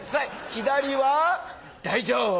左は大丈夫！